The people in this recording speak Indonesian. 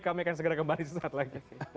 kami akan segera kembali suatu saat lagi